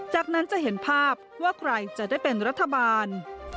จากนั้นจะเห็นภาพว่าใครจะได้เป็นรัฐบาล